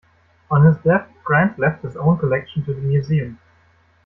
On his death Grant left his own collection to the museum.